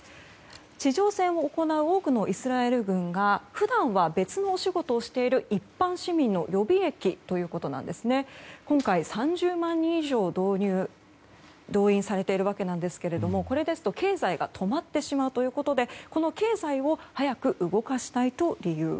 地上戦を行う多くのイスラエル軍が普段は別のお仕事をしている一般市民の予備役ということで今回３０万人以上動員されているわけですけどもこれですと経済が止まってしまうということで経済を早く動かしたいという理由。